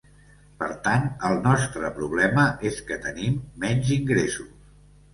Per tant, el nostre problema és que tenim menys ingressos.